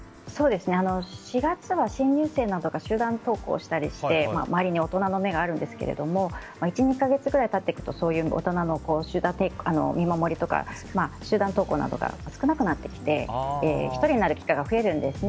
４月は新入生などが集団登校などしたりして周りに大人の目があるんですけど１２か月ぐらい経ってくるとそういう大人の見守りとか集団登校などが少なくなってきて１人になる機会が増えるんですね。